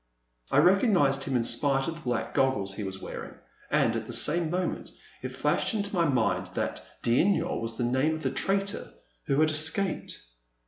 I recognized him in spite of the black goggles he was wearing, and, at the same moment, it flashed into my mind that d*Yniol was the name of the traitor who had escaped.